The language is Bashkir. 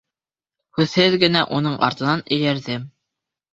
Һүҙһеҙ генә уның артынан эйәрҙем.